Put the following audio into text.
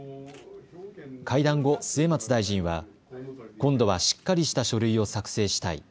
会談後、末松大臣は今度はしっかりした書類を作成したい。